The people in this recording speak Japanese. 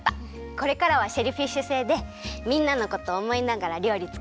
これからはシェルフィッシュ星でみんなのことおもいながらりょうりつくるね。